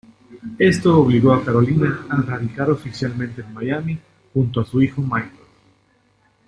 Esto obligó a Carolina a radicar oficialmente en Miami junto a su hijo Michael.